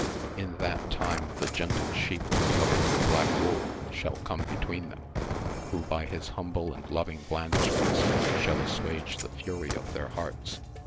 In that time the gentle Sheep covered with black wool shall come between them, who by his humble and loving blandishments shall assuage the fury of their hearts.